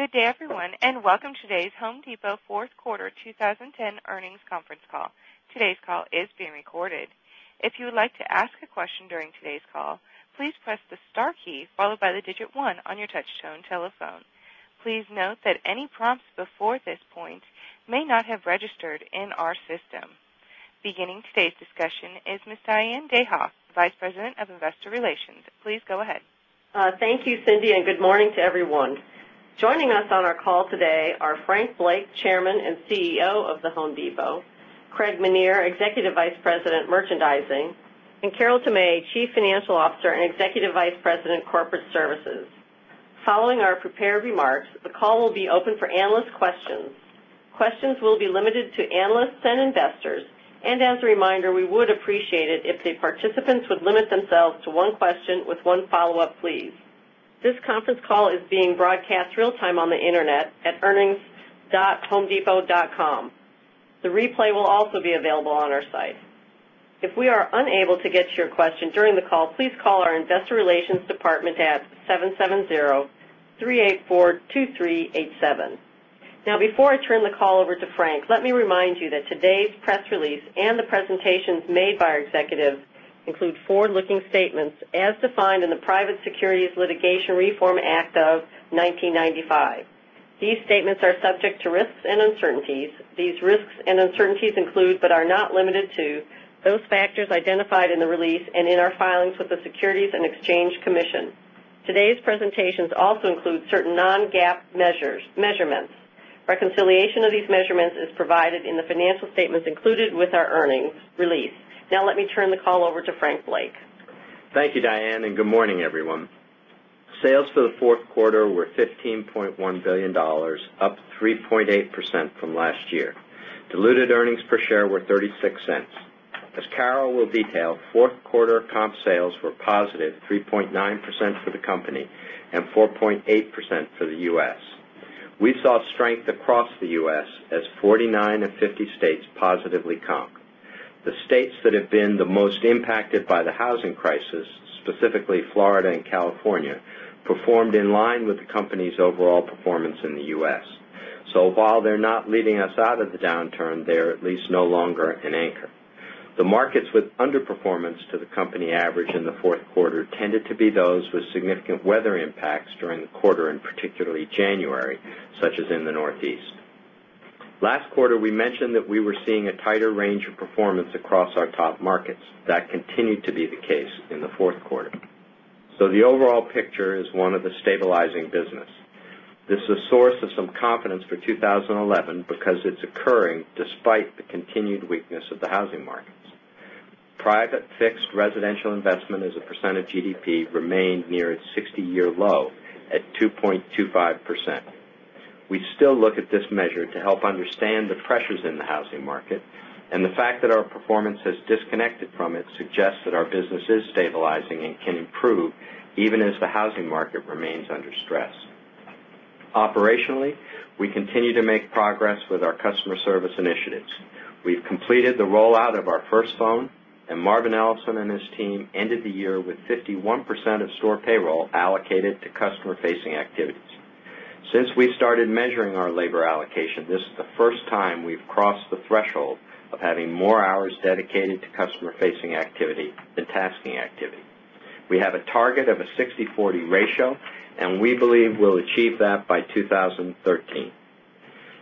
Good day, everyone, and welcome to today's Home Depot 4th Quarter 2010 Earnings Conference Call. Today's call is being recorded. Please note that any prompts before this point may not have registered in our system. Conference. Beginning today's discussion is Ms. Diane Dayhoff, Vice President of Investor Relations. Please go ahead. Thank you, Cindy, and good morning to everyone. Joining us on our call today are Frank Blake, Chairman and CEO of The Home Depot Craig Meniere, Executive Vice President, Merchandising and Carol DeMay, Chief Financial Officer and Executive Vice President, Corporate Services. Following our prepared remarks, the call will be open for analyst questions. Questions will be limited to analysts and investors. And as a reminder, we would appreciate it if the participants would limit themselves to one question with one follow-up, please. Conference Call is being broadcast real time on the Internet at earnings. Homedepot.com. The replay will also be available on our site. Now before I turn the call over to Frank, let me remind you that today's press release and the presentations made by our executives include forward looking statements as defined in the Private Securities Litigation Reform Act of 1995. These statements are subject to risks and uncertainties. These risks and uncertainties include, but are not limited to, those factors identified in the release and in our filings with the Securities and Exchange Commission. Today's presentation also includes certain non GAAP measurements. Reconciliation of these measurements is provided in the financial statements included with our earnings release. Now let me turn the call over to Frank Blake. Thank you, Diane, and good morning, everyone. Sales for the Q4 were $15,100,000,000 up 2.8 percent from last year. Diluted earnings per share were $0.36 As Carol will detail, 4th quarter comp sales were positive 3.9 percent for the company and 4.8% for the U. S. We saw strength across the U. S. As 49 of 50 states positively comped. The states that have been the most impacted by the housing crisis, Specifically, Florida and California performed in line with the company's overall performance in the U. S. So while they're not leading us out of the down Turn There at Lease No Longer an Anchor. The markets with underperformance to the company average in the 4th quarter tended to be those with significant weather impacts during the quarter and particularly January, such as in the Northeast. Last quarter, we mentioned that we were seeing a tighter range of performance across our top markets. That continued to be the case in the Q4. So the overall picture is one of the stabilizing business. This is a source of some confidence for 2011 because it's occurring despite the continued weakness of the housing markets. Private fixed residential investment as a percent of GDP remained near its 60 year low at 2.25%. We still look at this measure to help understand the pressures in the housing market and the fact that our performance has disconnected from it suggests that our business is stabilizing and can improve even as the housing market remains under stress. Operationally, We continue to make progress with our customer service initiatives. We've completed the rollout of our first phone and Marvin Ellison and his team Ended the year with 51% of store payroll allocated to customer facing activities. Since we started measuring our labor allocation, this Q2. The first time we've crossed the threshold of having more hours dedicated to customer facing activity than tasking activity. We have a target of a sixty-forty ratio, and we believe we'll achieve that by 2013.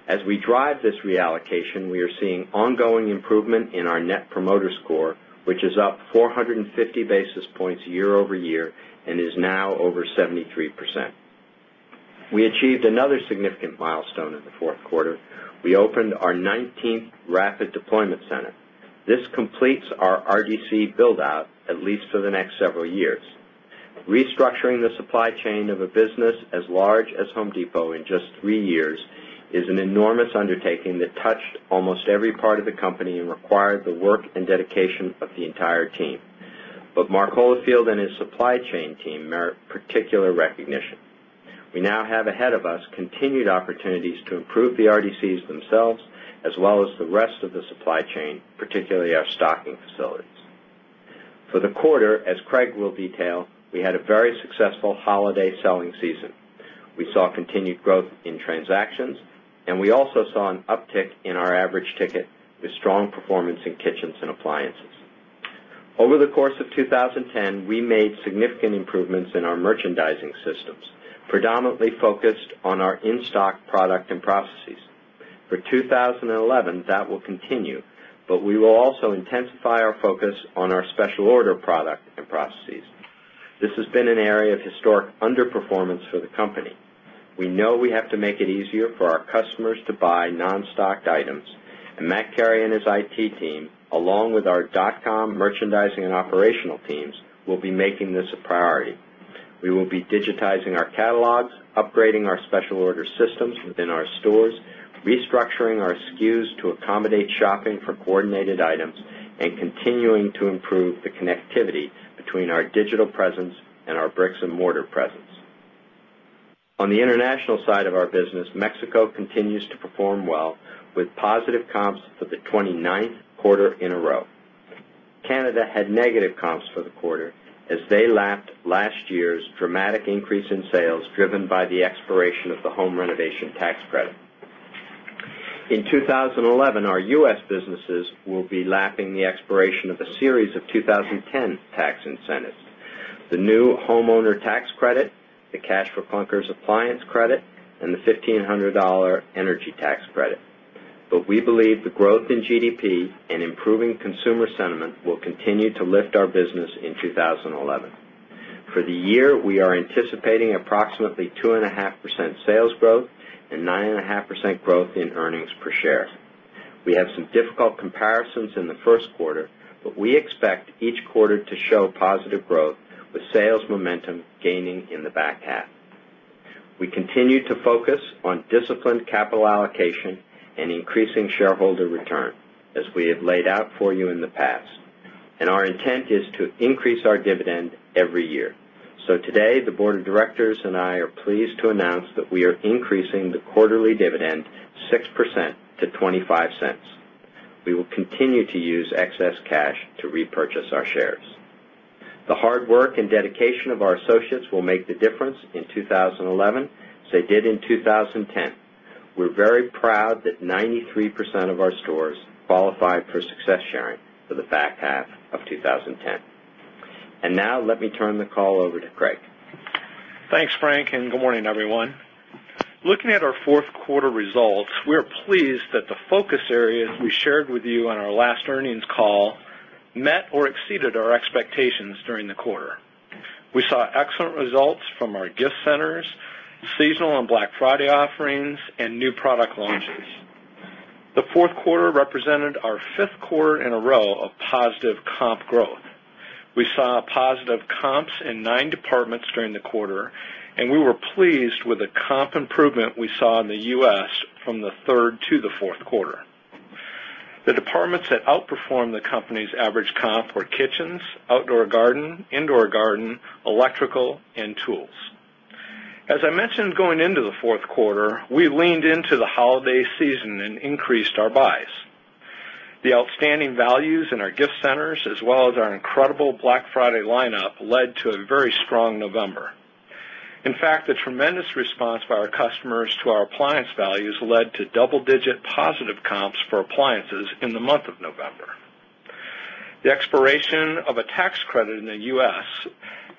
As we drive this reallocation, we are seeing ongoing improvement in our Net Promoter Score, which is up 4.50 basis points year over year And is now over 73%. We achieved another significant milestone in the Q4. We opened our 19th rapid deployment center. This completes our RDC build out at least for the next several years. Restructuring the supply chain of a business as large as Home Depot in Just 3 years is an enormous undertaking that touched almost every part of the company and required the work and dedication of the entire team. Both Mark Holyfield and his supply chain team merit particular recognition. We now have ahead of us continued opportunities to improve the RDCs themselves as well as the rest of the supply chain, particularly our stocking facilities. For the quarter, as Craig will detail, We had a very successful holiday selling season. We saw continued growth in transactions and we also saw an uptick in our average ticket strong performance in Kitchens and Appliances. Over the course of 2010, we made significant improvements in our merchandising systems, predominantly focused on our in stock product and processes. For 2011, that will continue, But we will also intensify our focus on our special order product and processes. This has been an area of historic underperformance for the company. We know we have to make it easier for our customers to buy non stocked items, and Matt Cary and his IT team, along with our dotcommerchandisingandoperational teams will be making this a priority. We will be digitizing our catalogs, upgrading our special order systems within our stores, restructuring our SKUs to accommodate shopping for coordinated items and continuing to improve the connectivity between our digital presence and our bricks and mortar presence. On the international side of our business, Mexico continues to perform well with positive comps for the 29th quarter in a row. Canada had negative comps for the quarter as they lapped last year's dramatic increase in sales driven by the expiration of the home renovation tax credit. In 2011, our U. S. Businesses We'll be lapping the expiration of a series of 2010 tax incentives. The new homeowner tax credit, The cash for clunkers appliance credit and the $1500 energy tax credit. But we believe the growth in GDP and improving consumer sentiment will continue to lift our business in 2011. For the year, we are anticipating approximately 2.5% sales growth and 9.5% growth in earnings per share. We have some difficult comparisons in the Q1, but we expect each quarter to show positive growth with sales momentum gaining in the back half. We continue to focus on disciplined capital allocation and increasing shareholder return as we have laid out for you in the past. And our intent is to increase our dividend every year. So today, the Board of Directors and I are Pleased to announce that we are increasing the quarterly dividend 6% to $0.25 We will continue to use excess cash to repurchase our shares. The hard work and dedication of our associates will make the difference in 2011 as they did in 2010. We're very proud that 93% of our stores qualified for success sharing for the back half of twenty ten. Conference Call. And now let me turn the call over to Craig. Thanks, Frank, and good morning, everyone. Looking at our 4th Quarter Results. We are pleased that the focus areas we shared with you on our last earnings call met or exceeded our expectations during the quarter. We saw excellent results from our gift centers, seasonal and Black Friday offerings and new product launches. The 4th quarter represented our 5th quarter in a row of positive comp growth. We saw positive comps in 9 departments during the quarter, and we were pleased with the comp improvement we saw in the U. S. From the 3rd to the 4th quarter. The departments that outperformed 4th quarter. We leaned into the holiday season and increased our buys. The outstanding values in our gift Centers as well as our incredible Black Friday lineup led to a very strong November. In fact, the tremendous response by our customers to our appliance values led to double digit positive comps for appliances in the month of November. The expiration of a tax credit in the U. S.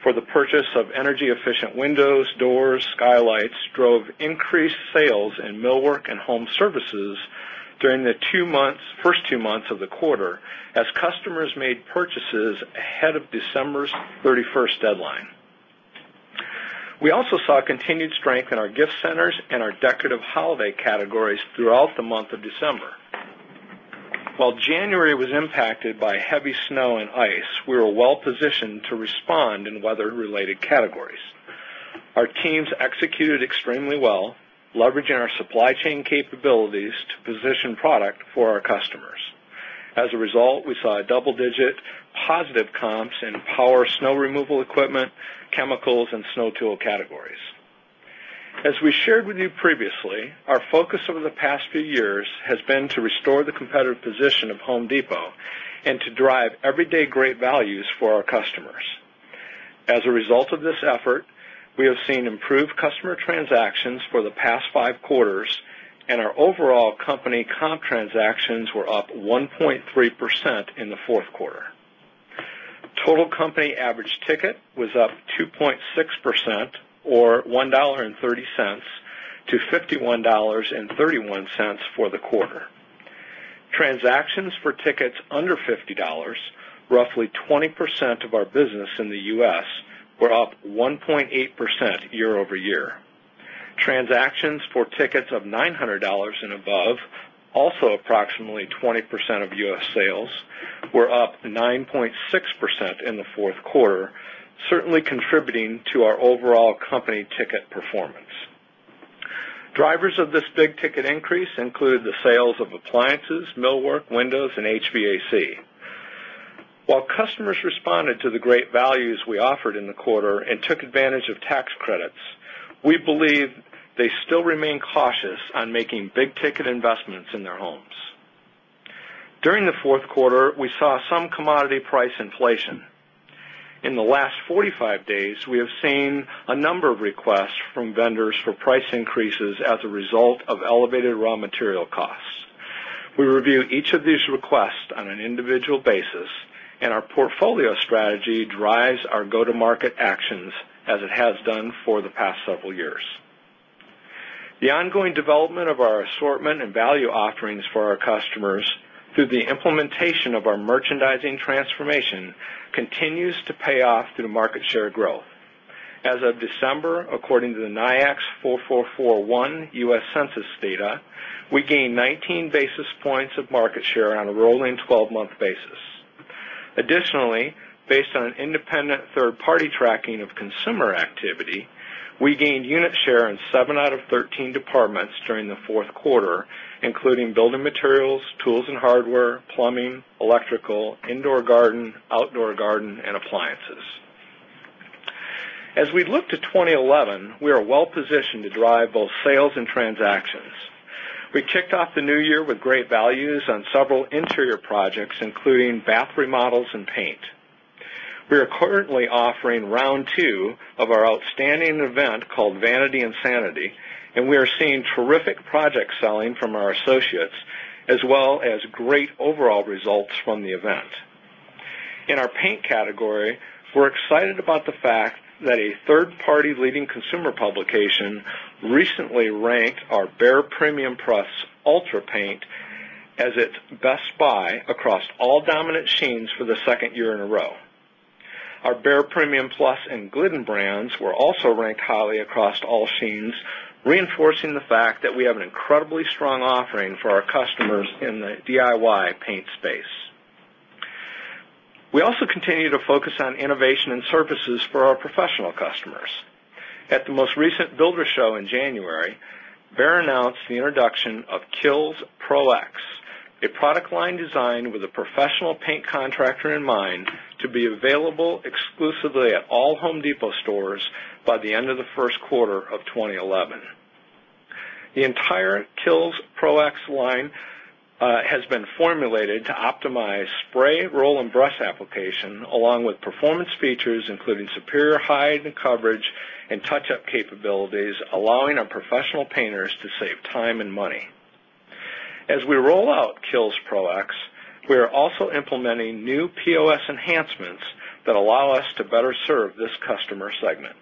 For the purchase of energy efficient windows, doors, Skylights drove increased sales in Millwork and Home Services during the 2 months 1st 2 months of the quarter as customers made purchases ahead of December's 31 deadline. We also saw continued strength in our gift centers and our decorative holiday categories throughout the month of December. While January was impacted by heavy snow and ice, position product for our customers. As a result, we saw double digit positive comps in power snow removal equipment, Chemicals and Snow Tool Categories. As we shared with you previously, our focus over the past few years has been to restore the competitive position of Home Depot and to drive everyday great values for our customers. As a result of this effort, We have seen improved customer transactions for the past 5 quarters and our overall company comp transactions were up 1.3% in the 4th Quarter. Total company average ticket was up 2.6% or $1.30 to $51.31 for the quarter. Transactions for tickets under $50 Roughly 20% of our business in the U. S. Were up 1.8% year over year. Transactions for tickets of $900 and above, also approximately 20% of U. S. Sales, were up 9.6 2% in the 4th quarter, certainly contributing to our overall company ticket performance. Drivers of this big ticket increase include the sales of appliances, millwork, windows and HVAC. While customers responded to the great values we offered in the quarter and took advantage of tax credits, we believe They still remain cautious on making big ticket investments in their homes. During the Q4, we saw some commodity price inflation. In the last 45 days, we have seen a number of requests from vendors for price increases as a result of elevated raw material costs. We review each of these requests on an individual basis and our portfolio strategy drives our go to market actions as it has done for the past several years. The ongoing development of our assortment and value offerings for our customers through the implementation of our merchandising transformation continues to pay off to the market share growth. As of December, according to the NIACS 4,441 U. S. Census data, we gained 19 basis 2 points of market share on a rolling 12 month basis. Additionally, based on independent third party tracking of consumer activity, We gained unit share in 7 out of 13 departments during the Q4, including building materials, tools and hardware, Plumbing, Electrical, Indoor Garden, Outdoor Garden and Appliances. As we look to 2011, We are well positioned to drive both sales and transactions. We kicked off the New Year with great values on several interior projects, including bath remodels and paint. We are currently offering round 2 of our outstanding event called Vanity Insanity, and we are seeing terrific project selling from our Associates as well as great overall results from the event. In our paint category, we're excited about the fact That a third party leading consumer publication recently ranked our Behr Premium Plus Ultra Paint as its Best Buy across all dominant sheens for the 2nd year in a row. Our Behr Premium Plus and Glidden brands were 2. We're also ranked highly across all scenes, reinforcing the fact that we have an incredibly strong offering for our customers in the DIY paint space. We also continue to focus on innovation and services for our professional customers. At the most recent builder show in January, Bear announced the introduction of Kihl's Pro X, a product line designed with a professional paint contractor in mind The entire Kihlz Pro X line has been formulated to optimize spray, roll and brush application As we rollout Kihls' Pro X, we are also implementing new POS enhancements that allow us to better serve this customer segment.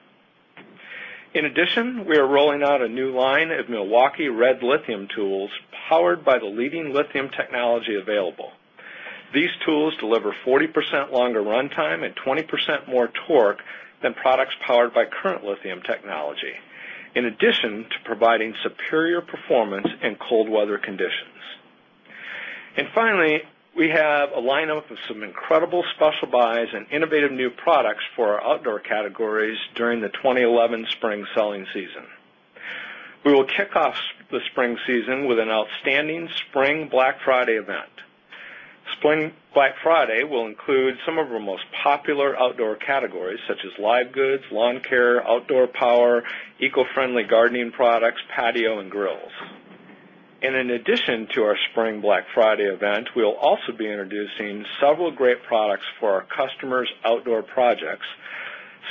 In addition, we are rolling out a new line of Milwaukee Red Lithium tools powered by the leading lithium technology available. These tools deliver 40% longer run time and 20% more torque than products powered by current lithium technology, in addition to providing superior performance in cold weather conditions. And finally, we have a lineup of some incredible special buys and innovative new products for our outdoor categories during the 2011 spring selling season. We will kick off the spring season with an outstanding spring Black Friday event. Spring Black Friday will include some of our most popular outdoor categories such as live goods, lawn care, outdoor power, Eco Friendly Gardening Products, Patio and Grills. And in addition to our spring Black Friday event, we will also be introducing several great products for our customers' outdoor projects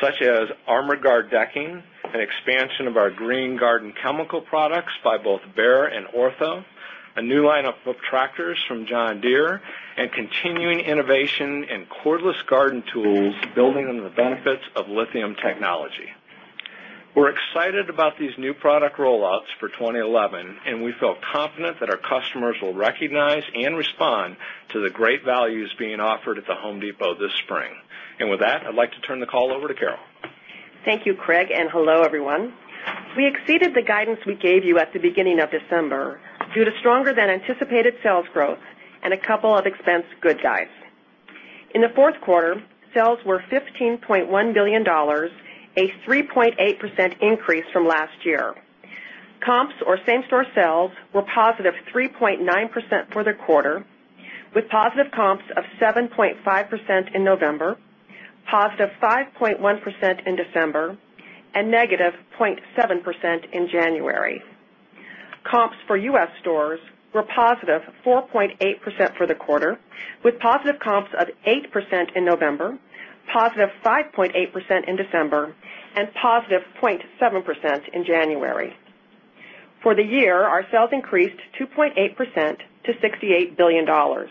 such as Armaguard decking and expansion of our Green Garden chemical products by both Behr and Ortho, A new lineup of tractors from John Deere and continuing innovation in cordless garden tools building on the benefits of lithium technology. We're excited about these new product rollouts for 2011 and we feel confident that our customers will recognize and respond to the great values being offered at The Home Depot this spring. And with that, I'd like to turn the call over to Carol. Thank you, Craig, and hello, everyone. We exceeded the guidance we gave you at the beginning of December due to stronger than anticipated sales growth and a couple of expense good guys. In the Q4, sales were $15,100,000,000 a 3.8% increase from last year. Comps or same store sales were positive 3.9% for the quarter with positive comps of 7.5% in November, Positive 5.1 percent in December and negative 0.7% in January. Comps for U. S. Stores were positive 4.8% for the quarter, with positive comps of 8% in November, positive 5.8 percent in December and positive 0.7 percent in January. For the year, our sales increased 2.8% to $68,000,000,000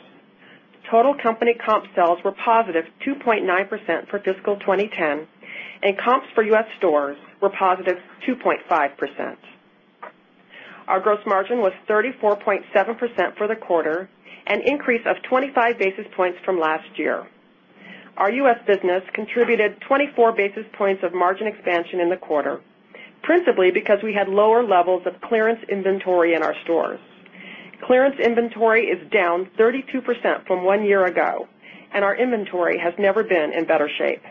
Total company comp sales were positive 2.9% for fiscal 2010 and comps for U. S. Stores were positive 2.5%. Our gross margin was 34.7% for the quarter, an increase of 25 basis points from last year. Our U. S. Business contributed 24 basis points of margin expansion in the quarter, Conference Call, principally because we had lower levels of clearance inventory in our stores. Clearance inventory is down 32% from 1 year ago, and our inventory has never been in better shape.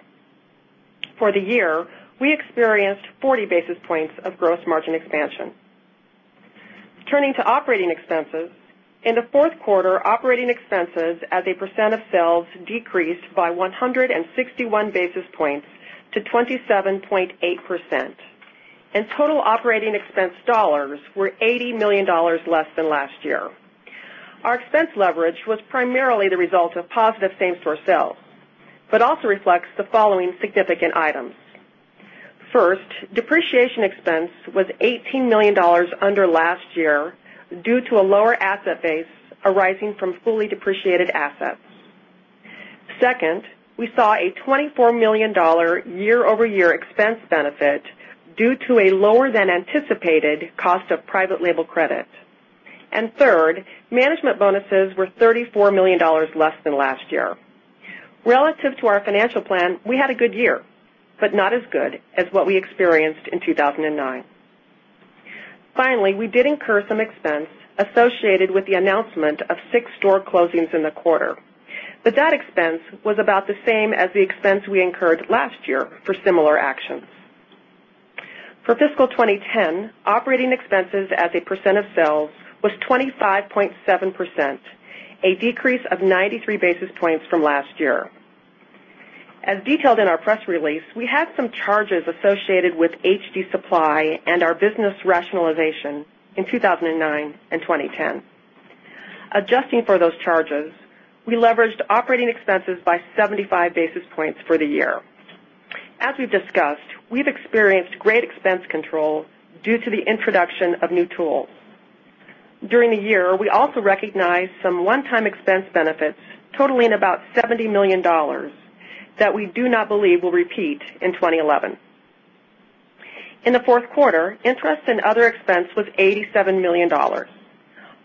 For the year, we experienced 40 basis points of gross margin expansion. Turning to operating expenses. In the 4th quarter, operating expenses as a percent of sales decreased by 161 basis points to 27.8 percent. And total operating expense dollars were $80,000,000 less than last year. Our expense leverage was primarily the result of positive same store sales, but also reflects the following significant items. First, depreciation expense was $18,000,000 under last year due to a lower asset base due to a lower than anticipated cost of private label credit. And third, management bonuses were $34,000,000 less than last year. Relative to our financial plan, we had a good year, but not as good as what we experienced in 2,009. Finally, we did incur some expense associated with the announcement of 6 store closings in the quarter. But that expense was about the same as the expense we incurred last year for similar actions. For fiscal 2010, Operating expenses as a percent of sales was 25.7%, a decrease of 93 basis points from last year. Call. As detailed in our press release, we had some charges associated with HD Supply and our business rationalization in 2,009 2010. Adjusting for those charges, we leveraged operating expenses by 75 basis points for the year. As we've discussed, we've experienced great expense control due to the introduction of new tools. During the year, we also recognized some one time expense benefits totaling about $70,000,000 that we do not believe will repeat in 2011. In the Q4, interest and other expense was $87,000,000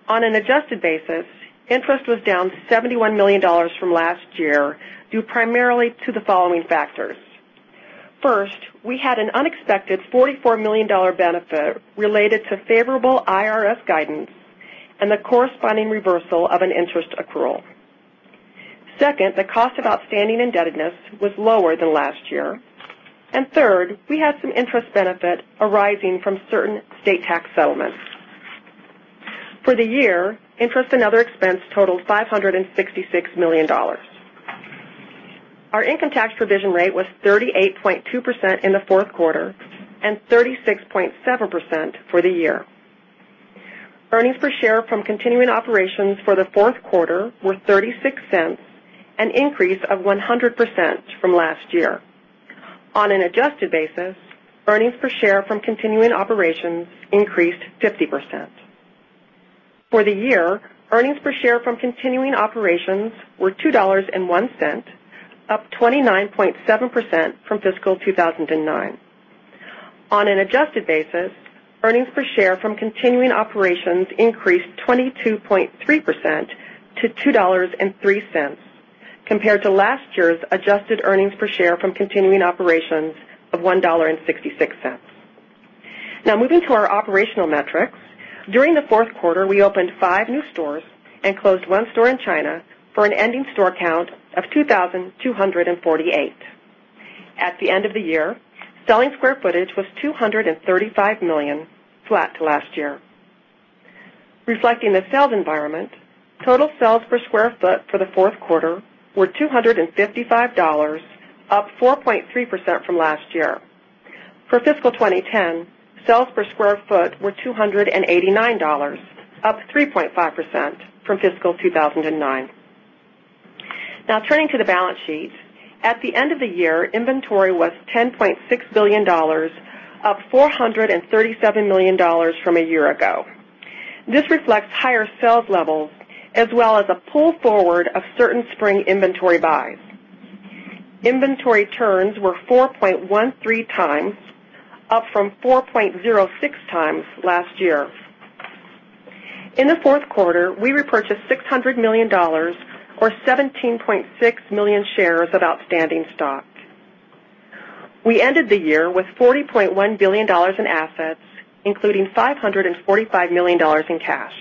On an adjusted basis, Interest was down $71,000,000 from last year due primarily to the following factors. First, We had an unexpected $44,000,000 benefit related to favorable IRS guidance and the corresponding reversal of an interest accrual. 2nd, the cost of outstanding indebtedness was lower than last year. And third, we had some interest benefit arising from certain State Tax Settlement. For the year, interest and other expense totaled $566,000,000 Our income tax provision rate was 38.2% in the 4th quarter and 36.7% for the year. Earnings per share from continuing operations for the 4th quarter were $0.36 an increase of 100% from last year. Q4. For the year, earnings per share from continuing operations were $2.01 up 29.7% from fiscal 2,009. On an adjusted basis, earnings per share from continuing operations increased 22.3 percent to $2.03 compared to last year's adjusted earnings per share from continuing operations of $1.66 Now moving to our operational metrics. During the Q4, we opened 5 new stores and closed 1 store in China for an ending store count of 2,248. At the end of the year, selling square footage was $235,000,000 flat to last year. Reflecting the sales environment, Total sales per square foot for the 4th quarter were $2.55 up 4.3% from last year. For fiscal 2010, sales per square foot were $2.89 up 3.5% from fiscal 2,009. Now turning to the balance sheet. At the end of the year, inventory was $10,600,000,000 up $437,000,000 from a year ago. This reflects higher sales levels as well as a pull forward of certain spring inventory buys. In the Q4, we repurchased $600,000,000 or 17,600,000 shares of outstanding stock. We ended the year with $40,100,000,000 in assets, including $545,000,000 in cash.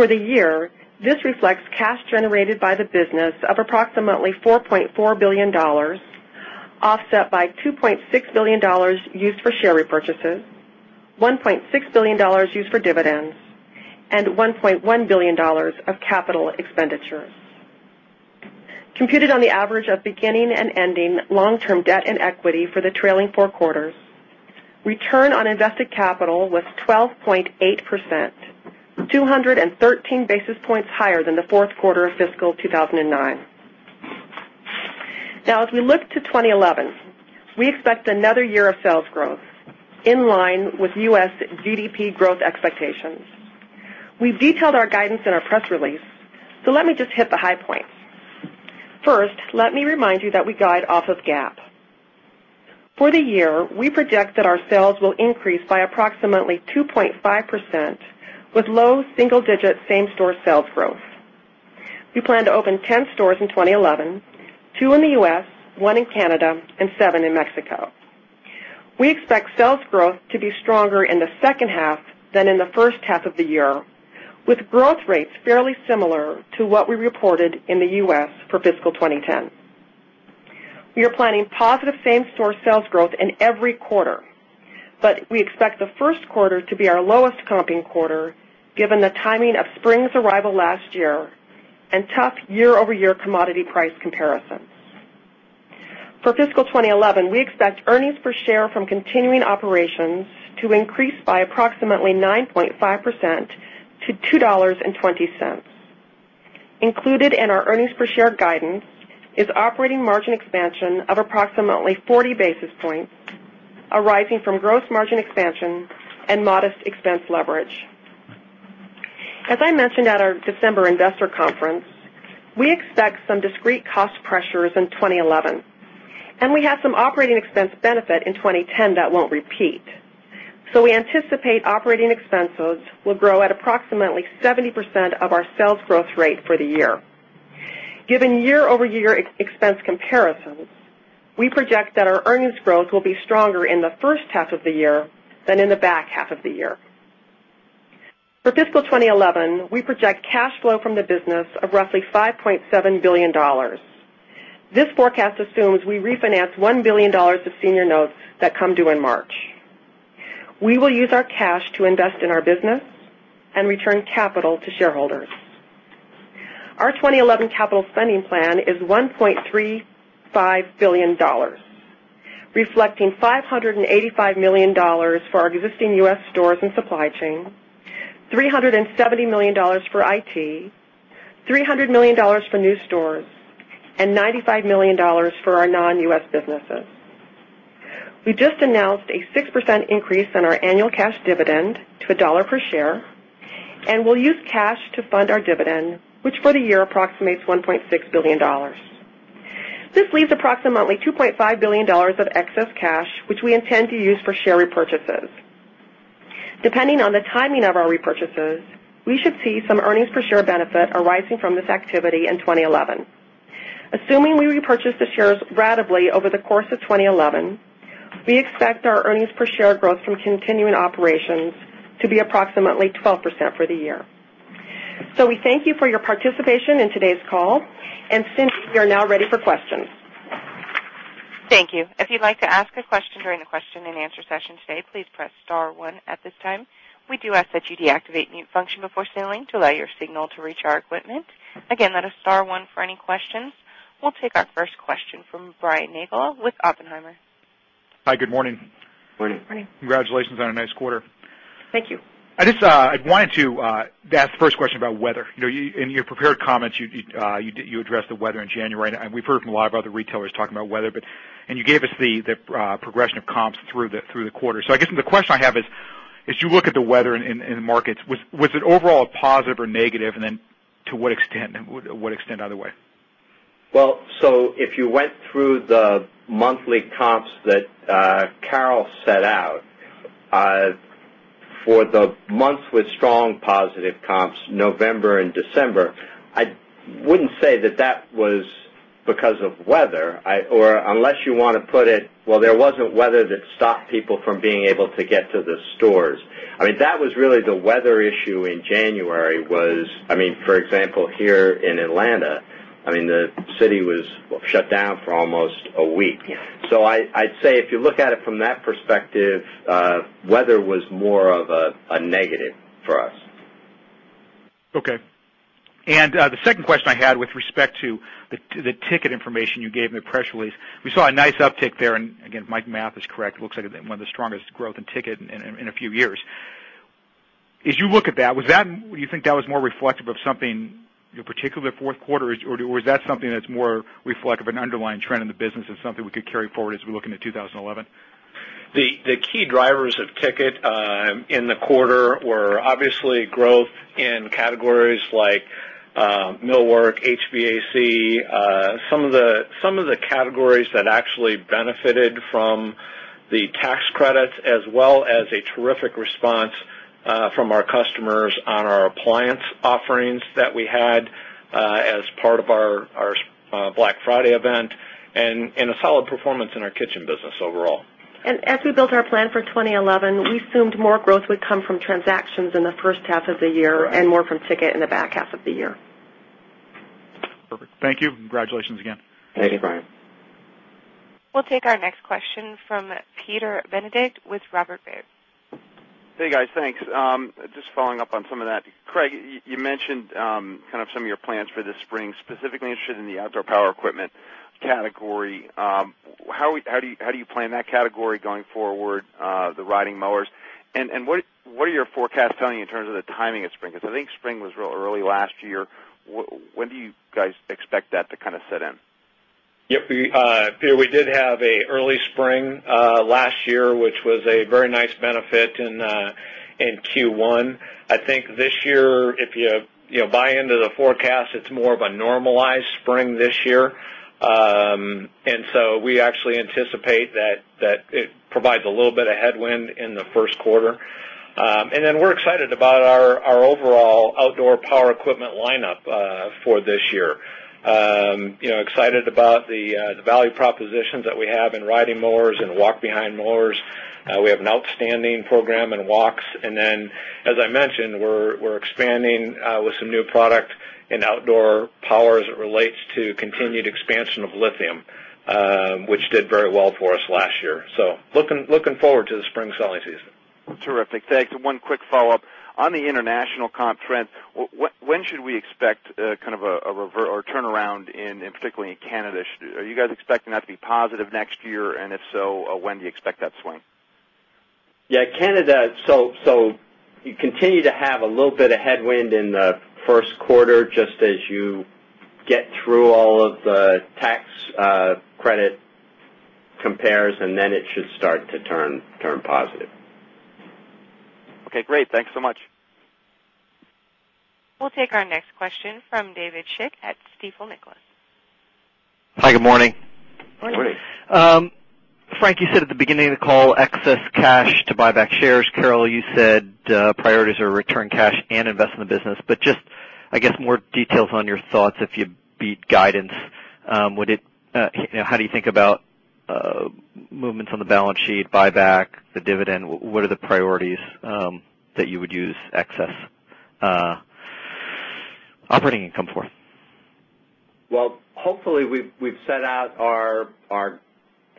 Call. For the year, this reflects cash generated by the business of approximately $4,400,000,000 and $1,100,000,000 of capital expenditures. Computed on the average of beginning and ending long term debt and Equity for the Trailing 4 Quarters. Return on invested capital was 12.8%, 213 basis points Higher than the Q4 of fiscal 2,009. Now as we look to 2011, we expect another year of sales growth, in line with U. S. GDP Growth Expectations. We've detailed our guidance in our press release, so let me just hit the high points. First, Let me remind you that we guide off of GAAP. For the year, we project that our sales will increase by approximately 2.5% with low single digit same store sales growth. We plan to open 10 stores in 2011, 2 in the U. S, 1 in Canada and 7 in Mexico. We expect sales growth to be stronger in the second half than in the first half of the year with growth rates fairly Consumer to what we reported in the U. S. For fiscal 2010. We are planning positive same store sales growth in every quarter, But we expect the Q1 to be our lowest comping quarter given the timing of spring's arrival last year and Tough Year Over Year Commodity Price Comparisons. For fiscal 2011, we expect earnings per share from continuing operations to increase by approximately 9.5 percent to $2.20 Included in our earnings per share guidance As I mentioned at our December Investor Conference, we expect some discrete cost pressures in 2011, And we have some operating expense benefit in 2010 that won't repeat. So we anticipate operating expenses will grow at approximately 20% of our sales growth rate for the year. Given year over year expense comparisons, we project that our earnings growth will be stronger in the first Half of the Year and in the back half of the year. For fiscal twenty eleven, we project cash flow from the business of roughly $5,700,000,000 This forecast assumes we refinance $1,000,000,000 of senior notes that come due in March. We will use our cash to invest in our business and return capital to shareholders. Our 2011 capital spending plan is $1,350,000,000 reflecting $585,000,000 for our existing U. S. Stores and supply chain, dollars 370,000,000 for IT, $300,000,000 for new stores and $95,000,000 for our non U. S. Businesses. We just announced a 6% increase in our annual cash dividend to $1 per share and we'll use cash to fund our dividend, which for the year approximates $1,600,000,000 This leaves approximately $2,500,000,000 of excess cash, which we intend to use for share repurchases. Depending on the timing of our repurchases, we should see some earnings per share benefit arising from this activity in 2011. Assuming we repurchase the shares ratably over the course of 2011, we expect our earnings per share growth from continuing operations to be approximately 12% for the year. So we thank you for your participation in today's call. And Cindy, we are now ready for questions. We'll take our first question from Brian Nagelow with Oppenheimer. Hi, good morning. Good morning. Congratulations on a nice quarter. Thank you. I just wanted to ask the first question about weather. In your prepared comments, you addressed the weather in January. And we've heard from a lot of other retailers talking about weather, but and you gave us the progression of comps Through the quarter. So I guess the question I have is, as you look at the weather in the markets, was it overall positive or negative? And then to what extent? And what extent either way? Well, so if you went through the monthly comps that Carol set out, For the month with strong positive comps, November December, I wouldn't say that, that was Because of weather or unless you want to put it, well, there wasn't weather that stopped people from being able to get to the stores. I mean, that was really the weather issue in January was, I mean, for example, here in Atlanta, I mean, the city was shut down for almost 2 week. So I'd say if you look at it from that perspective, weather was more of a negative for us. Okay. And the second question I had with respect to the ticket information you gave in the press release, we saw a nice uptick there. And again, my math is correct. It looks like one of the strongest Growth in Ticket in a Few Years. As you look at that, was that do you think that was more reflective of something, particularly the 4th quarter? Or was that something that's more The key drivers of ticket in the quarter were obviously growth 2nd categories like millwork, HVAC, some of the categories that actually benefited from Tax Credits as well as a terrific response from our customers on our appliance offerings that we had as part of our Black Friday event and a solid performance in our kitchen business overall. And as we built our plan for 2011. We assumed more growth would come from transactions in the first half of the year and more from ticket in the back half of the year. Perfect. Thank you. Congratulations again. Thank you, Brian. We'll take our next question from Peter Benedict with Robert Baird. Hey, guys. Thanks. Just following up on some of that. Craig, you mentioned kind of some of your plans for the spring, specifically interested in the outdoor power equipment category. How do you plan that category going forward, the riding mowers? And what are your forecasts telling you in terms of the timing of spring? Because I think spring was real early last year. When do you guys expect that to kind of set in? Yes. Peter, we did have a early spring last Cheer, which was a very nice benefit in Q1. I think this year, if you buy into the forecast, it's more of a normalized Spring this year. And so we actually anticipate that it provides a little bit of headwind in the Q1. And then we're excited about our overall outdoor power equipment lineup for this year, Excited about the value propositions that we have in riding mowers and walk behind mowers. We have an outstanding program in walks. And then As I mentioned, we're expanding with some new product in outdoor power as it relates to continued expansion of lithium, Which did very well for us last year. So looking forward to the spring selling season. Terrific. Thanks. And one quick follow-up. On the international comp trend, When should we expect kind of a turnaround in particularly in Canada? Are you guys expecting that to be positive next year? And if so, when do you expect that swing? Yes. Canada so you continue to have a little bit of headwind in the Q1 just as you Get through all of the tax credit compares and then it should start to turn positive. Okay, great. Thanks so much. We'll take our next question from David Schick at Stifel Nicolaus. Hi, good morning. Good morning. Frank, you said at the beginning of the call excess cash to buy back shares. Carol, you said Priorities are return cash and investment business, but just I guess more details on your thoughts if you beat guidance. How do you think about movements on the balance sheet, buyback, the dividend? What are the priorities that you would use excess operating income for us. Well, hopefully, we've set out our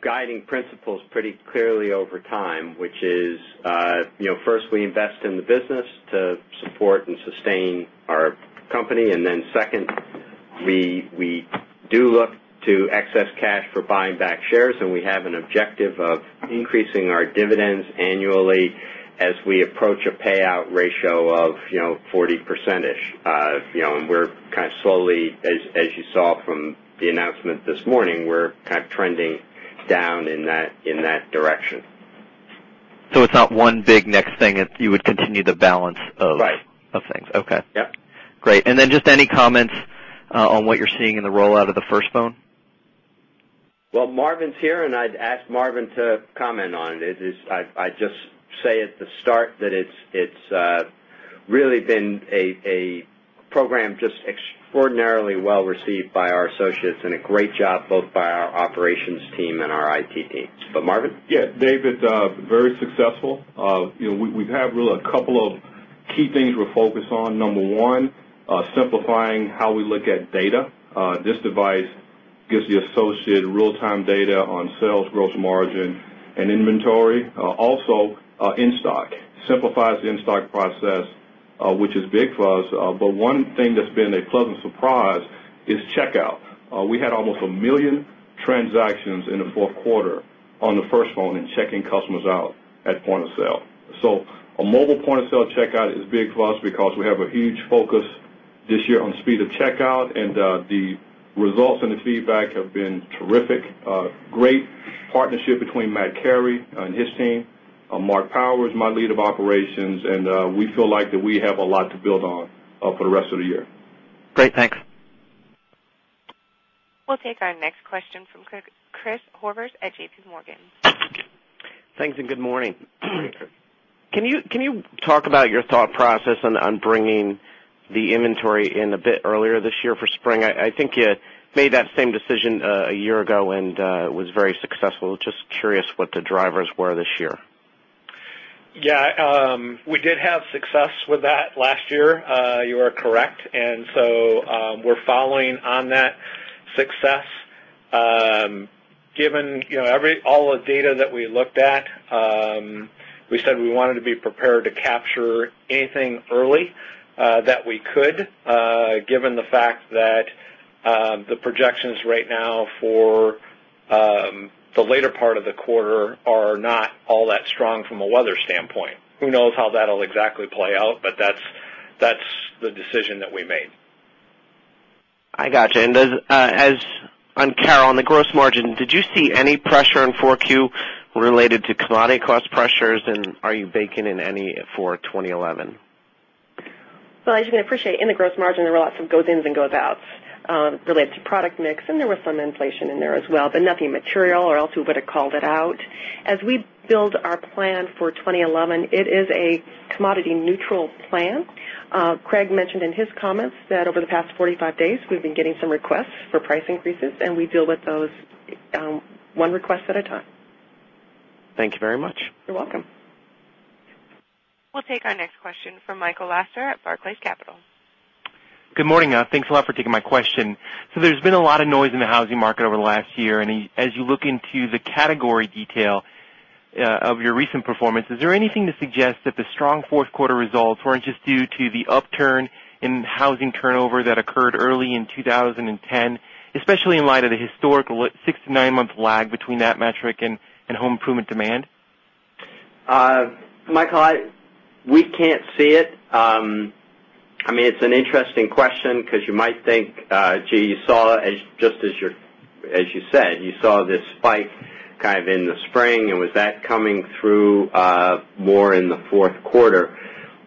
guiding principles pretty clearly over time, which is, first, we invest in the business to support and sustain And then second, we do look to excess cash for buying back shares and we have an objective of Increasing our dividends annually as we approach a payout ratio of 40% -ish. And we're Kind of slowly, as you saw from the announcement this morning, we're kind of trending down in that direction. So it's not one big next thing, you would continue the balance of things. Right. Okay. Great. And then just any comments on what you're seeing in the rollout of the first Well, Marvin's here, and I'd ask Marvin to comment on it. I'd just say at the start that It's really been a program just extraordinarily well received by our associates and a great job both by our operations team and our IT team. So, Marvin? Yes. David, very successful. We've had really a couple of key things we're focused on. Number 1, Simplifying how we look at data. This device gives the associate real time data on sales, gross margin and inventory. Also In Stock. Simplifies the in stock process, which is big for us. But one thing that's been a pleasant surprise checkout. We had almost 1,000,000 transactions in the 4th quarter on the first phone and checking customers out at point of sale. So a mobile point of sale checkout is big for us because we have a huge focus this year on speed of checkout and the Results and the feedback have been terrific. Great partnership between Matt Carey and his team, Mark Tower is my lead of operations and we feel like that we have a lot to build on for the rest of the year. Great. Thanks. We'll take our next question from Chris Horvers at JPMorgan. Thanks and good morning. Can you talk about your thought process on bringing the inventory in a bit earlier this year for spring? I think you Made that same decision a year ago and was very successful. Just curious what the drivers were this year? Yes. We did have success with that last year. You are correct. And so we're following on that success. Given every all the data that we looked at, we said we wanted to be prepared to capture anything early That we could, given the fact that the projections right now for The later part of the quarter are not all that strong from a weather standpoint. Who knows how that will exactly play out, but That's the decision that we made. I got you. And as on Carol, on the gross margin, did you see any pressure in 4Q related to commodity cost pressures and are you baking in any for 2011? Well, as you can appreciate, in the gross margin, there were lots of goes ins and goes outs related to product mix and there was some inflation in there as well, but nothing material or else we would have called it out. As we build our plan for 2011, it is a Commodity Neutral Plan. Craig mentioned in his comments that over the past 45 days, we've been getting some requests for price increases and we deal with those We'll take our next question from Michael Lasser at Barclays Capital. Good morning. Thanks a lot for taking my question. So there's been a lot of noise in the housing market over the last year. And as you look into the category detail of your recent performance. Is there anything to suggest that the strong 4th quarter results weren't just due to the upturn in housing turnover that occurred early in 2010, especially in light of the historical 6 to 9 month lag between that metric and home improvement demand. Michael, We can't see it. I mean, it's an interesting question because you might think, gee, you saw just as your As you said, you saw this spike kind of in the spring and was that coming through more in the 4th quarter.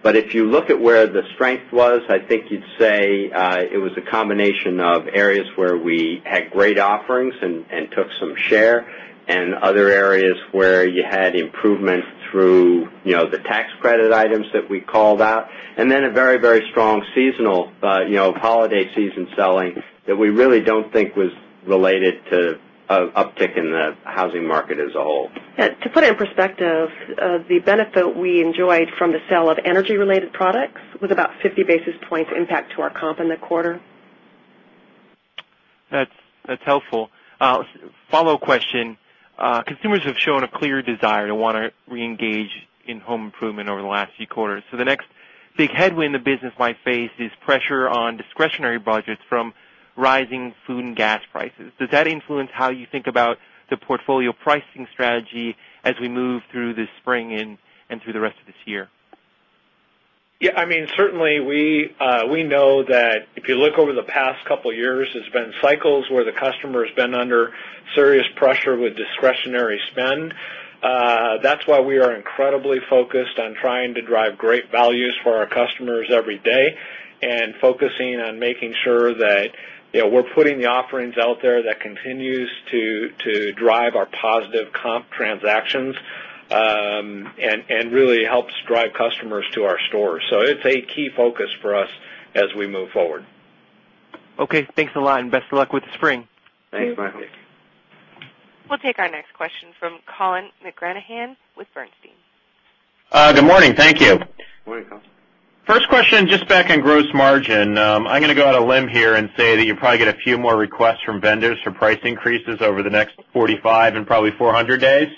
But if you look at where the strength was, I think you'd say, it was a combination of areas where we had great offerings and took some share and other areas where you had improvement through the tax credit items that we called out and then a very, very strong seasonal holiday season selling that we really don't think was related to uptick in the housing market as a whole. To put it in perspective, the benefit we enjoyed from the sale of energy related products was about 50 basis points impact to our comp in the quarter. That's helpful. Follow-up question. Consumers have shown a clear desire to want to reengage in home improvement over the last few quarters. So the next big headwind the business might face is pressure on discretionary budgets from Rising Food and Gas Prices. Does that influence how you think about the portfolio pricing strategy as we move through this spring and through the rest of this year. Yes. I mean, certainly, we know that if you look over the past couple of years, there's been cycles where the customer has been under Serious pressure with discretionary spend. That's why we are incredibly focused on trying to drive great values for our customers every day and focusing on making sure that we're putting the offerings out there that continues to drive our positive comp transactions and really helps drive customers to our stores. So it's a key focus for us as we move forward. Okay. Thanks a lot and best of luck with the spring. Thanks, Michael. We'll take our next question from Colin McGranahan with Bernstein. Chief Financial Officer. Good morning. Thank you. Good morning, Colin. First question, just back on gross margin. I'm going to go out a limb here and say that you probably get a few more requests from vendors for Price Increases Over the Next 45 and Probably 400 Days.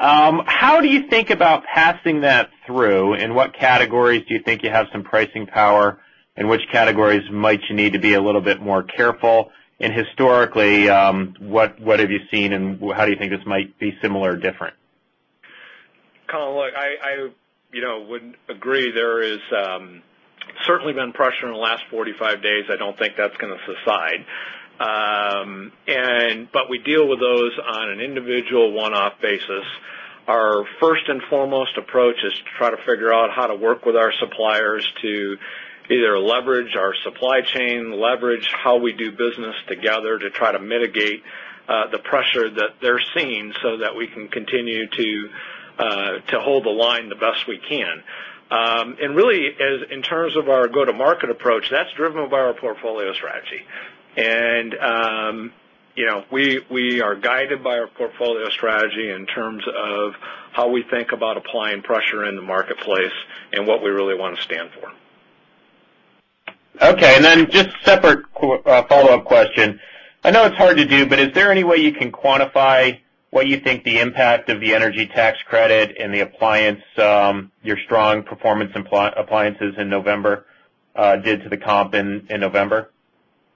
How do you think about passing that Drew, in what categories do you think you have some pricing power? In which categories might you need to be a little bit more careful? And historically, what have you seen? And how do you think this might be similar or different? Colin, look, I I wouldn't agree there is certainly been pressure in the last 45 days. I don't think that's going to subside. And but we deal with those on an individual one off basis. Our first and foremost approach is Try to figure out how to work with our suppliers to either leverage our supply chain, leverage how we do business together to try to mitigate The pressure that they're seeing so that we can continue to hold the line the best we can. And really, in In terms of our go to market approach, that's driven by our portfolio strategy. And we are guided by our portfolio strategy in terms of how we think about applying pressure in the marketplace and what we really want to stand for. Okay. And then just separate follow-up question. I know it's hard to do, but is there any way you can quantify What you think the impact of the energy tax credit in the appliance, your strong performance in appliances in November Did to the comp in November?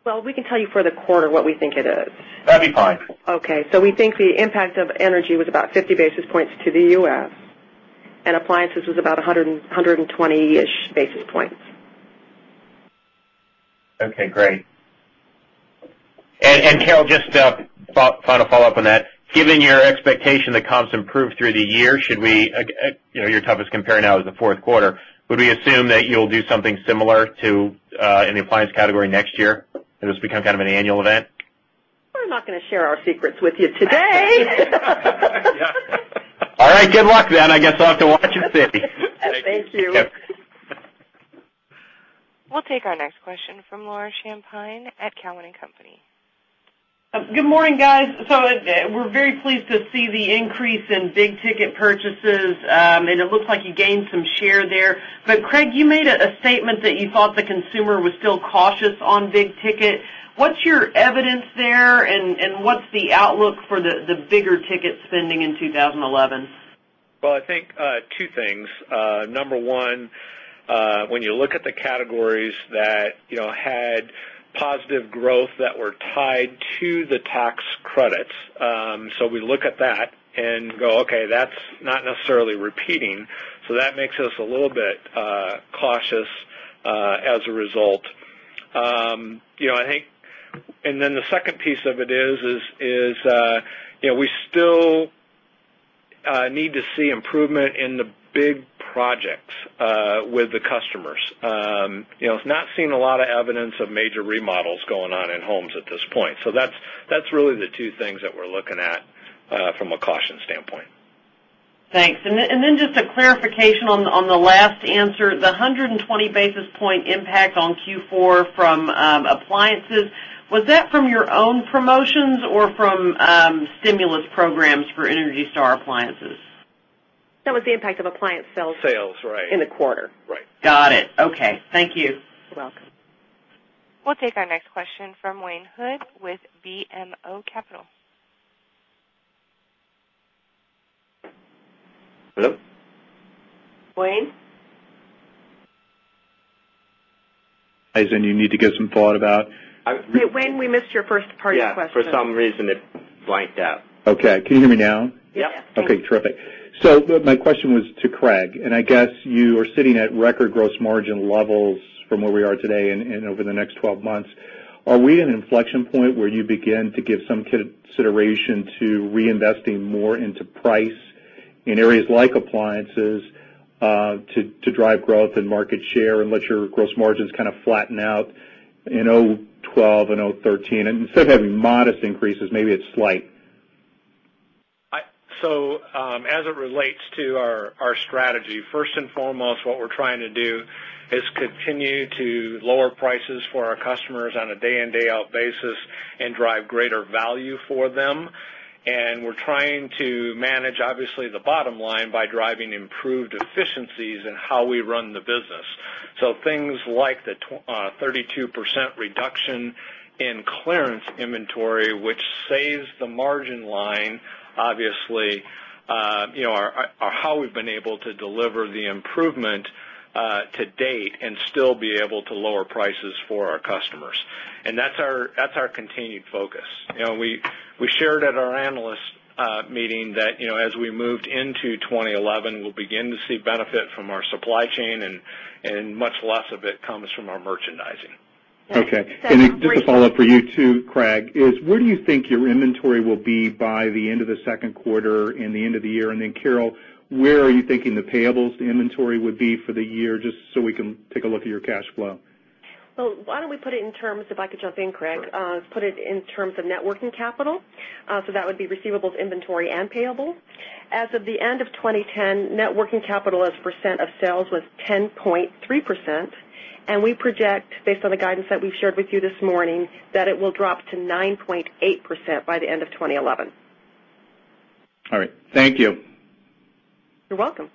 Well, we can tell you for the quarter what we think it is. That would be fine. Okay. So we think the impact of energy was about 50 basis points to the U. S. And appliances was about 120 ish basis points. Okay, great. And Carol, just a final follow-up on that. Given your expectation that comps improved through the year, should we Your toughest compare now is the 4th quarter. Would we assume that you'll do something similar to in the appliance category next year? Has this become kind of an annual event? We're not going to share our secrets with you today. All right. Good luck then. I guess I'll have to watch and see. Thank you. Team. We'll take our next question from Laura Champine at Cowen and Company. Good morning, guys. So today. We're very pleased to see the increase in big ticket purchases, and it looks like you gained some share there. But Craig, you made a statement that you thought the consumer was Still cautious on big ticket. What's your evidence there? And what's the outlook for the bigger ticket spending in 2011? Well, I think, 2 things. Number 1, when you look at the categories that had positive growth that were tied to the tax credits. So we look at that and go, okay, that's not necessarily repeating. So that makes us a little bit cautious as a result. I think and then the second piece of it It's not seen a lot of evidence of major remodels going on in homes at this point. So that's really the two things that we're looking at from a caution standpoint. Thanks. And then just a clarification on the last answer. The 120 basis point impact on Q4 from appliances, Was that from your own promotions or from stimulus programs for Energy Star appliances? That was the impact of appliance sales in the quarter. Right. Got it. Okay. Thank you. You're welcome. We'll take our next question from Wayne Huynh with BMO Capital. You need to get some thought about When we missed your first party question. Yes. For some reason, it blanked out. Okay. Can you hear me now? Yes. Okay, terrific. So my question was to Craig, and I guess you are sitting at record gross margin levels From where we are today and over the next 12 months, are we an inflection point where you begin to give some consideration to reinvesting more into price In areas like appliances, to drive growth and market share and let your gross margins kind of flatten out In 2012 and 2013, and instead of having modest increases, maybe it's slight. So, as it relates to our strategy, 2. 1st and foremost, what we're trying to do is continue to lower prices for our customers on a day in, day out basis and drive greater value for them. And we're trying to manage, obviously, the bottom line by driving improved efficiencies in how we run the business. So things like the 32% reduction in clearance inventory, which saves the margin line, obviously, How we've been able to deliver the improvement to date and still be able to lower prices for our customers. And that's our continued focus. We shared at our analyst meeting that as we moved into 2011, we'll Again to see benefit from our supply chain and much less of it comes from our merchandising. Okay. And just a follow-up for you too, Craig, 2Q. Where do you think your inventory will be by the end of the second quarter and the end of the year? And then Carol, where are you thinking the payables to inventory would be for the year, just So we can take a look at your cash flow. So why don't we put it in terms, if I could jump in, Craig, put it in terms of net working capital. So that would be receivables inventory and payables. As of the end of 2010, net working capital as a percent of sales was 10.3%, And we project based on the guidance that we've shared with you this morning that it will drop to 9.8% by the end of 2011. All right. Thank you. You're welcome.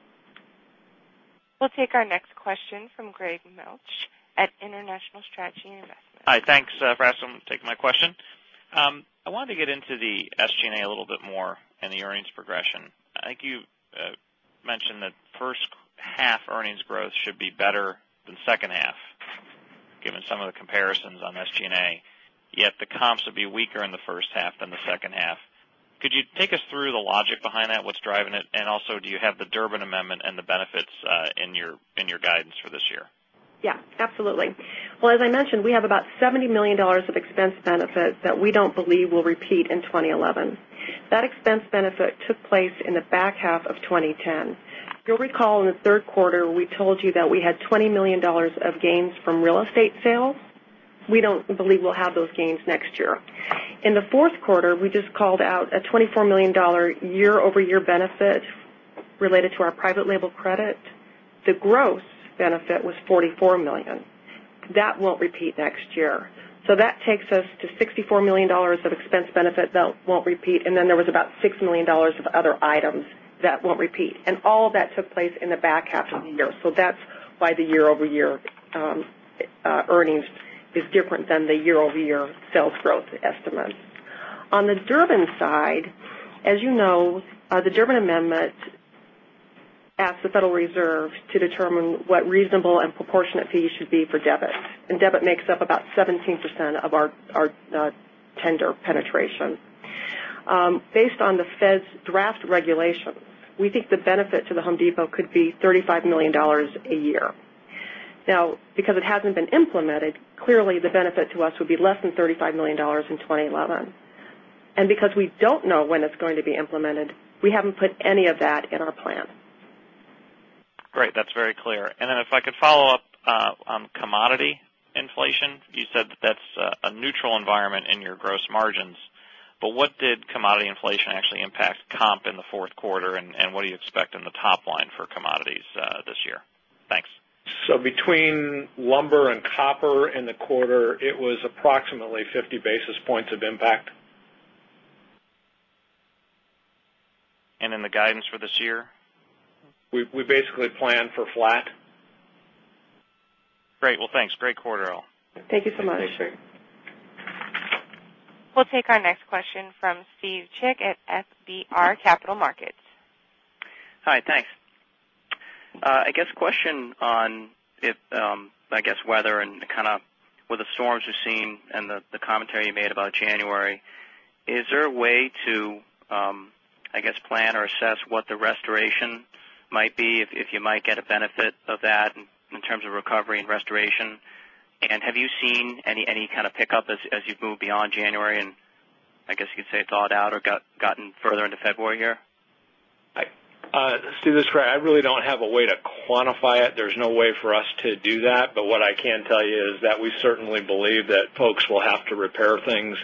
We'll take our next question from Greg Melch at International Strategy Investments. Chairman. Hi. Thanks for asking for taking my question. I wanted to get into the SG and A a little bit more and the earnings progression. I think you Mentioned that first half earnings growth should be better than second half, given some of the comparisons on SG and A, Yes, the comps would be weaker in the first half than the second half. Could you take us through the logic behind that? What's driving it? And also, do you have the Durbin amendment and the benefits and your guidance for this year. Yes, absolutely. Well, as I mentioned, we have about $70,000,000 of expense benefit that we don't believe will repeat in 2011. That expense benefit took place in the back half of twenty ten. You'll recall in the Q3, we told you that we had $20,000,000 of gains from real estate sales. We don't believe we'll have those gains next year. In the 4th quarter, we just called out a $24,000,000 year over year benefit related to our private label credit. The gross benefit was $44,000,000 That won't repeat next 2. So that takes us to $64,000,000 of expense benefit that won't repeat, and then there was about $6,000,000 of other items That won't repeat. And all of that took place in the back half of the year. So that's why the year over year earnings It's different than the year over year sales growth estimates. On the Durbin side, as you know, the Durbin amendment Ask the Federal Reserve to determine what reasonable and proportionate fee you should be for debit, and debit makes up about 17% of our Tender Penetration. Based on the Fed's draft regulation, we think the benefit to the Home Depot could be $35,000,000 a year. Now because it hasn't been implemented, clearly the benefit to us would be less than $35,000,000 in 2011. And because we don't know when it's going to be implemented, We haven't put any of that in our plan. Great. That's very clear. And then if I could follow-up on commodity Inflation. You said that's a neutral environment in your gross margins. But what did commodity inflation actually impact comp in the 4th quarter and what do you expect in the top line for commodities this year? Thanks. So between lumber and Copper in the quarter, it was approximately 50 basis points of impact. And in the guidance for this year. We basically plan for flat. Great. Well, thanks. Great quarter, Earl. Thank you so much. We'll take our next question from Steve Chick at FBR Capital Markets. Hi, thanks. I guess, question on, I guess, weather and kind of with the storms you're seeing and the commentary you made about January. Is there a way to, I guess, plan or assess what the restoration might be if you might get a benefit of that 2nd quarter. In terms of recovery and restoration, and have you seen any kind of pickup as you move beyond January and I guess you could say thought out or gotten further into February here? Steve, this is Craig. I really don't have a way to quantify it. There's no way for us to do that. But what I can tell you is that we certainly believe that folks will have To repair things,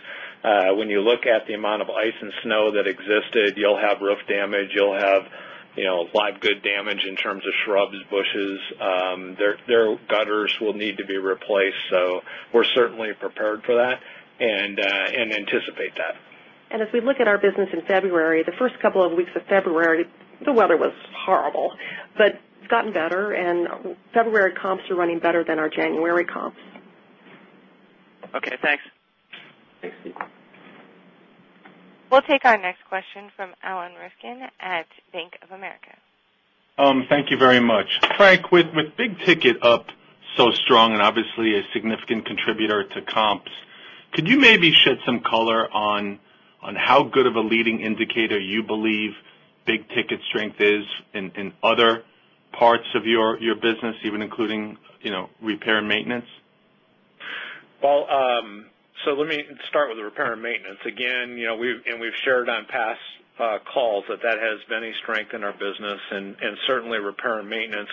when you look at the amount of ice and snow that existed, you'll have roof damage, you'll have live good damage in terms of shrubs, bushes. Their gutters will need to be replaced. So we're certainly prepared for that and anticipate that. And as we look at our business in February, the 1st couple of weeks of February, the weather was horrible, but it's gotten better and February comps are running better than our January comps. Okay. Thanks. Thanks, Steve. We'll take our next question from Alan Ryskin at Bank of America. Thank you very much. Frank, with big ticket up So strong and obviously a significant contributor to comps. Could you maybe shed some color on how good of a leading indicator you believe Big ticket strength is in other parts of your business, even including repair and maintenance? Well, so let me start with the repair and maintenance. Again, we've and we've shared on past calls that, that has been a to strengthen our business and certainly repair and maintenance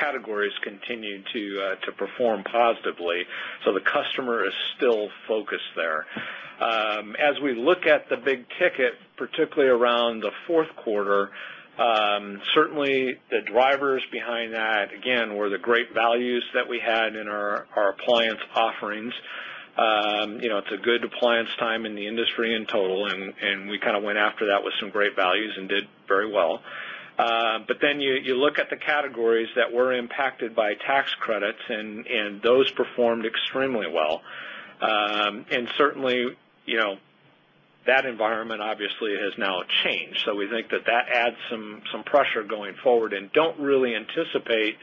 categories continue to perform positively. So the customer is still focused there. Team. As we look at the big ticket, particularly around the Q4, certainly the drivers behind that, Again, where the great values that we had in our appliance offerings, it's a good appliance time in the industry in total, and we kind of went after that with Great values and did very well. But then you look at the categories that were impacted by tax credits and those performed extremely well. And certainly, that environment obviously has now changed. So we think that, that adds Some pressure going forward and don't really anticipate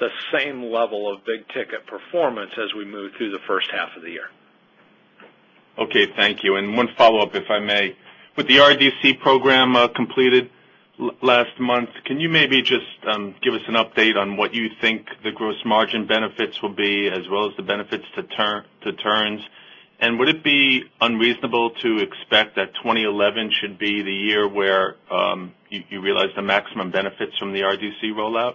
the same level of big ticket performance as we move through the first half of the year. Okay. Thank you. And one follow-up, if I may. With the RDC program completed last month, can you maybe just Give us an update on what you think the gross margin benefits will be as well as the benefits to turns. And would it be unreasonable to That that 2011 should be the year where, you realize the maximum benefits from the RDC rollout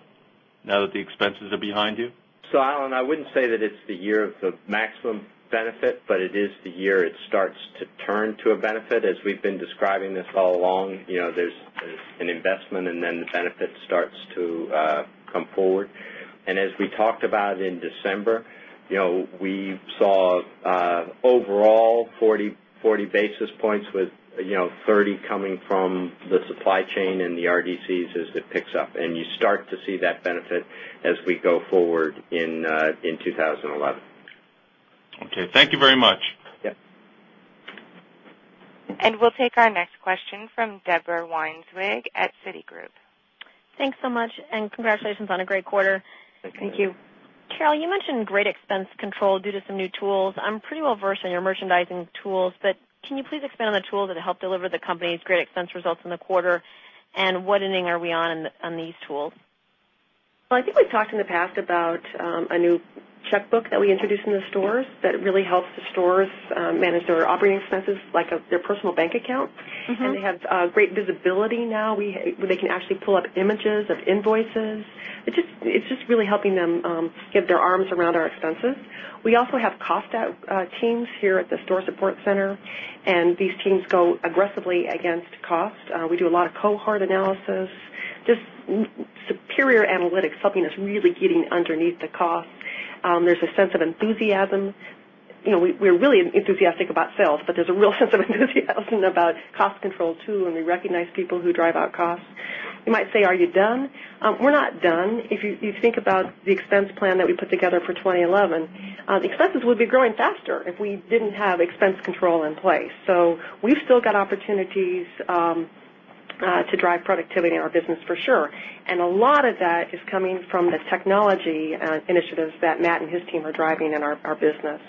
now that the expenses are behind you? So Alan, I wouldn't say that it's the year of the maximum benefit, but it is the year it starts to turn to a benefit. As we've been describing this all along, there's Investment and then the benefit starts to come forward. And as we talked about in December, We saw overall 40 basis points with 30 coming from the supply chain and the RDCs as it picks And you start to see that benefit as we go forward in 2011. Okay. Thank you very much. And we'll take our next question from Deborah Weinswig at Citigroup. Thanks so much and congratulations on a great quarter. Thank you. Carol, you mentioned great expense control due to some new tools. I'm pretty well versed in your merchandising tools, but can you please expand on the tools that deliver the company's great expense results in the quarter and what inning are we on these tools? Well, I think we've talked in the past about, a new checkbook that we introduced in the stores that really helps the stores manage their operating expenses like their personal bank account. And they have great visibility now where they can Pull up images of invoices. It's just really helping them get their arms around our expenses. We also have cost out teams here at the store support center, And these teams go aggressively against cost. We do a lot of cohort analysis, just superior analytics, something that's really getting underneath the cost. There's a sense of enthusiasm. We're really enthusiastic about sales, but there's a real sense of enthusiasm about cost Control 2, and we recognize people who drive out costs. You might say, are you done? We're not done. If you think about the expense plan that we put together for 2011, Expenses will be growing faster if we didn't have expense control in place. So we've still got opportunities to drive productivity in our business for sure. And a lot of that is coming from the technology initiatives that Matt and his team are driving in our business.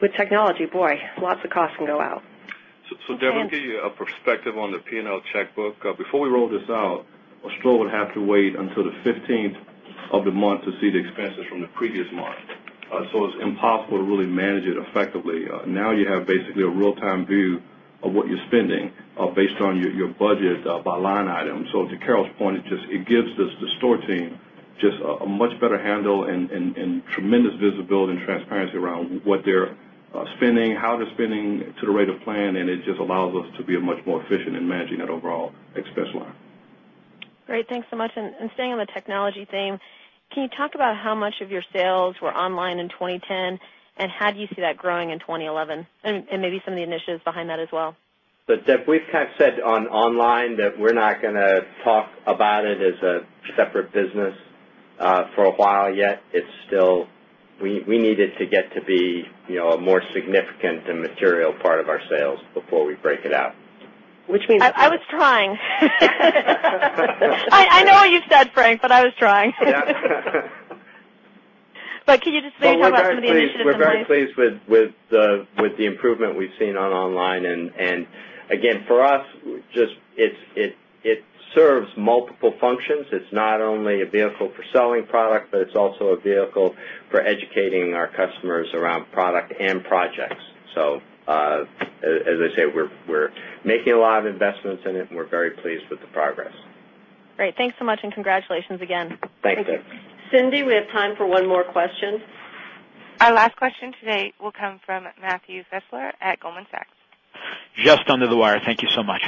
With technology, boy, lots of costs can go out. So, Devin, to give you a perspective on the P and L checkbook, before we roll this out, We still would have to wait until the 15th of the month to see the expenses from the previous month. So it's impossible to really manage it effectively. Now you have basically a real time view of what you're spending based on your budget by line item. So to Carol's point, it just it gives the store team Just a much better handle and tremendous visibility and transparency around what they're spending, how they're spending to the rate of plan and it just allows us to be a much to be more efficient in managing that overall expense line. Great. Thanks so much. And staying on the technology theme, can you talk about how much of your sales were online in 2010? And how do you see that growing in 2011? And maybe some of the initiatives behind that as well? So, Deb, we've kind of said on online that we're not going to talk about it as a 2 separate business for a while yet. It's still we needed to get to be a more significant and material part of our sales Before we break it out. Which means I was trying. I know what you said, Frank, but I was trying. But can you just please help us with the initiatives that we're going to play? We're very pleased with the improvement we've seen on online. And again, for us, just So as I say, we're making a lot of investments in it and we're very pleased with the progress. Great. Thanks so much and congratulations again. Thanks, Dick. Cindy, we have time for one more question. Our last question today will come from Matthew Fitzgerald at Goldman Sachs. Just under the wire. Thank you so much.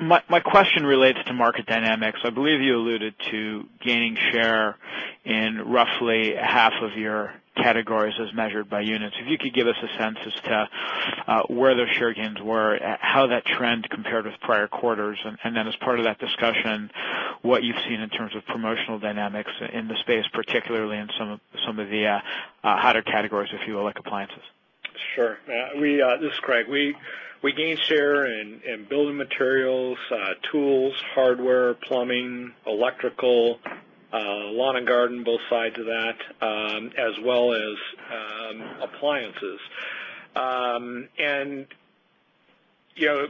My question relates to market dynamics. I believe you alluded to gaining share and roughly half of your categories as measured by units. If you could give us a sense as to where those share gains were? How that trend compared with Prior Quarters. And then as part of that discussion, what you've seen in terms of promotional dynamics in the space, particularly in to some of the hotter categories, if you will, like appliances. Sure. This is Craig. We gained share And building materials, tools, hardware, plumbing, electrical, lawn and garden, both sides of that, as well as Appliances. And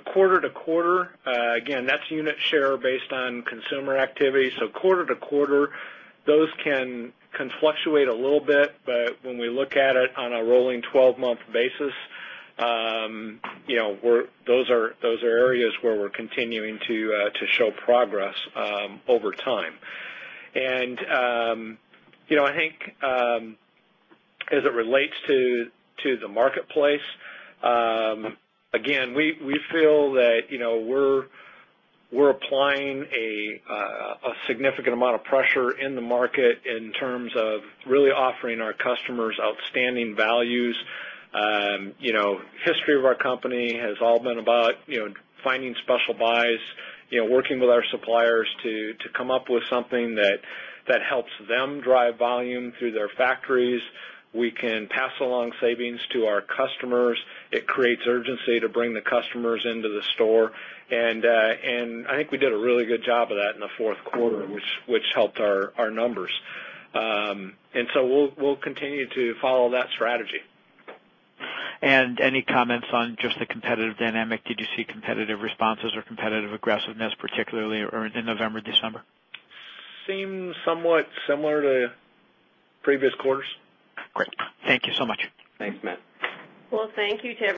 quarter to quarter, again, that's unit share based on Consumer activity. So quarter to quarter, those can fluctuate a little bit. But when we look at it on a rolling 12 month basis, Those are areas where we're continuing to show progress over time. And I think as it relates to the marketplace, Again, we feel that we're applying a significant amount of pressure in the market in terms of Really offering our customers outstanding values. History of our company has all been about Finding special buys, working with our suppliers to come up with something that helps them drive volume through their factories. We can pass along savings to our customers. It creates urgency to bring the customers into the store. And I think we did a really good job of that in 4th quarter, which helped our numbers. And so we'll continue to follow that strategy. And any comments on just the competitive dynamic? Did you see competitive responses or competitive aggressiveness particularly in November, December? Seems somewhat similar to previous quarters. Great. Thank you so much. Thanks, Matt. Well, thank you,